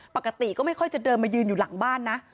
ปกติก็ไม่ค่อยจะเดินมายืนอยู่หลังบ้านนะ